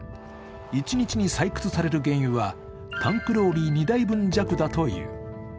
一日に採掘される原油はタンクローリー２台分弱だという。